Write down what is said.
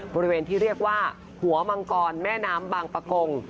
บริเวณที่เรียกว่าหัวมังกรแม่น้ำบางประกง